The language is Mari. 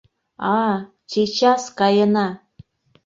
— А-а, чечас каена.